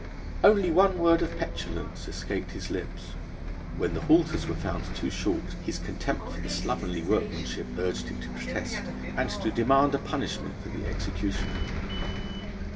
Only one word of petulance escaped his lips: when the halters were found too short, his contempt for slovenly workmanship urged him to protest, and to demand a punishment for the executioner.